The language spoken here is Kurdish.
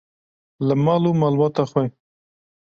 li mal û malbata xwe.